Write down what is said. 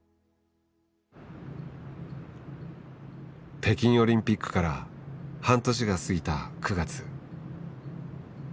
北京オリンピックから半年が過ぎた９月。